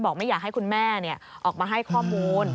ไม่อยากให้คุณแม่ออกมาให้ข้อมูล